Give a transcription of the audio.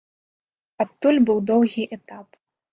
Адтуль быў доўгі этап.